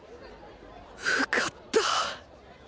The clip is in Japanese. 受かった！